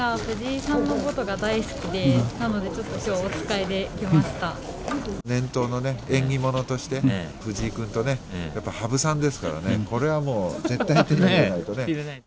なので、ちょっときょう、年頭のね、縁起物として、藤井君とね、やっぱ羽生さんですからね、これはもう、絶対に手に入れないと。